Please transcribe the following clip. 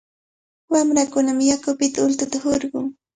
Wamrakunami yakupita ultuta hurqun.